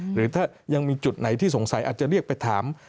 หรือถ้ายังมีจุดไหนที่สงสัยอาจจะเรียกไปถาม